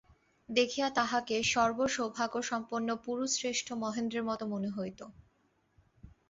দেখিয়া তাহাকে সর্বসৌভাগ্যসম্পন্ন পুরুষশ্রেষ্ঠ মহেন্দ্রের মতো মনে হইত।